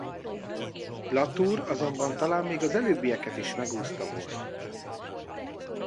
Latour azonban talán még az előbbieket is megúszta volna.